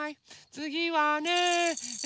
つぎはね。